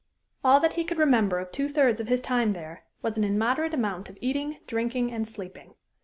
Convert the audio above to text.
All that he could remember of two thirds of his time there was an immoderate amount of eating, drinking, and sleeping.